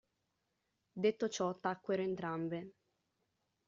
Detto ciò tacquero entrambe.